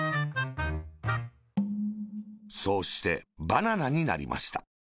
そうして、バナナになりました。